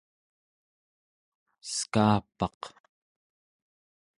skaapaq